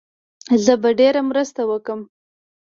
زه به ډېره مرسته وکړم.